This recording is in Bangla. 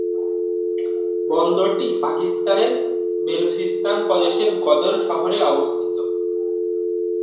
বন্দরটি পাকিস্তানের বেলুচিস্তান প্রদেশের গদর শহরে অবস্থিত।